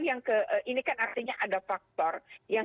yang ke ini kan artinya ada faktor yang